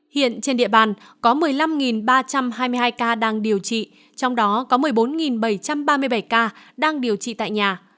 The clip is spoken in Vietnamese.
hiện trên địa bàn có một mươi năm ba trăm hai mươi hai ca đang điều trị trong đó có một mươi bốn bảy trăm ba mươi bảy ca đang điều trị tại nhà